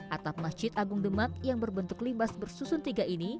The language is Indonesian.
atap masjid agung demak yang berbentuk limbas bersusun tiga ini